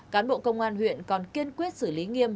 cán bộ công an huyện còn kiên quyết xử lý nghiêm